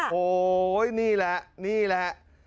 โอ้โหนี่แหละนี่แหละฮะ